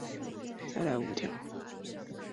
广泛存在于植物和动物组织中。